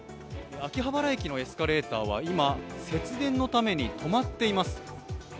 秋葉原駅のエスカレーターは今、節電のために止まっています。